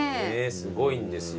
すごいんですよ。